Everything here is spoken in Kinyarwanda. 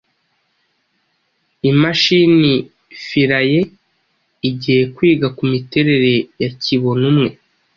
Imashini Philae igiye kwiga ku miterere ya Kibonumwe